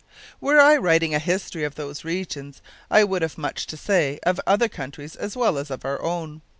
Were I writing a history of those regions I would have much to say of other countries as well as of our own.